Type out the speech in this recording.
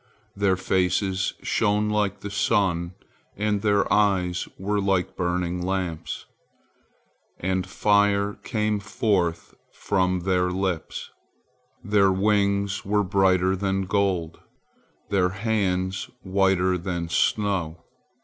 Their faces shone like the sun, and their eyes were like burning lamps, and fire came forth from their lips; their wings were brighter than gold, their hands whiter than snow.